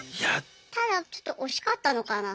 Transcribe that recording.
ただちょっと惜しかったのかな？